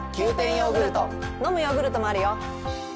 ヨーグルト飲むヨーグルトもあるよ